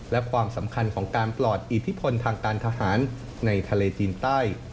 และความสำคัญของการปลอดอิทธิพลทางการทหารในทะเลจีนใต้